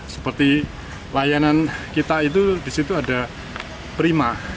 seperti layanan kita itu disitu ada prima